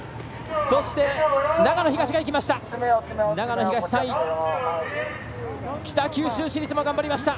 そして長野東がいきました。